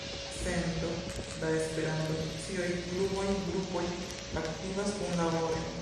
Cento da Esperanto-asocioj, kluboj, grupoj aktivas kunlabore.